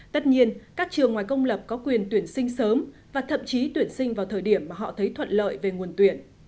tất nhiên các trường ngoài công lập có quyền tuyển sinh sớm và thậm chí tuyển sinh vào thời điểm mà họ thấy thuận lợi về nguồn tuyển